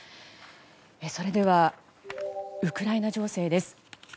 それでは、ウクライナ情勢です。